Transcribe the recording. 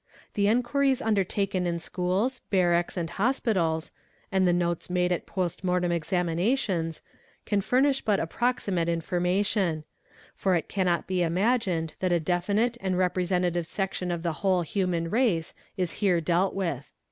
'The enquiries undertaken in schools, barracks, and hospitals, and the notes made at post mortem examinations, can furnish but ap proximate information; for it cannot be imagined that a definite and representative section of the whole human race is here dealt with.